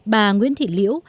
bà nguyễn thị liễu